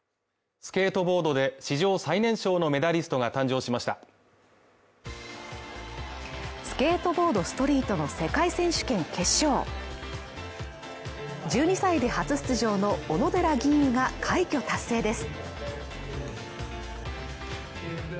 スケートボードで史上最年少のメダリストが誕生しましたスケートボードストリートの世界選手権決勝１２歳で初出場の小野寺吟雲が快挙達成です